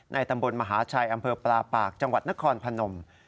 ตำบลมหาชัยอำเภอปลาปากจังหวัดนครพนม